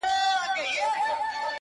• په شب پرستو بد لګېږم ځکه,